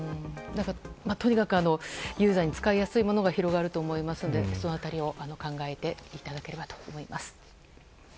とにかくユーザーに使いやすいものが広がると思いますのでその辺りを考えていただければと思います。